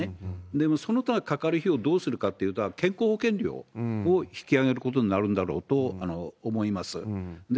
でも、そのためにかかる費用どうするかというと、健康保険料を引き上げることになるんだろうと思います。